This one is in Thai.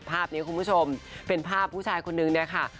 ภาพนี้คุณผู้ชมเป็นภาพผู้ชายคนนึงเนี่ยค่ะ